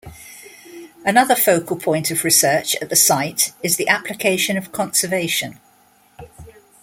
Another focal point of research at the site is the application of conservation.